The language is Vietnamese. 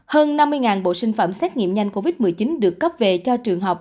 hơn năm mươi bộ sinh phẩm xét nghiệm nhanh covid một mươi chín được cấp về cho trường học